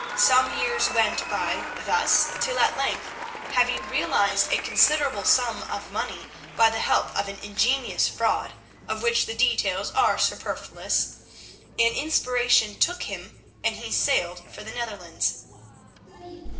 Some years went by thus, till at length, having realised a considerable sum of money by the help of an ingenious fraud, of which the details are superfluous, an inspiration took him and he sailed for the Netherlands.